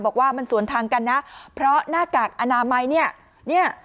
บอกว่ามันสวนทางกันนะเพราะหน้ากากอนามัยเนี่ย